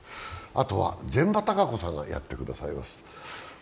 あとは膳場貴子さんがやってくださいます。